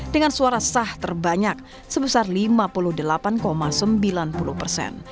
dengan suara sah terbanyak sebesar lima puluh delapan sembilan puluh persen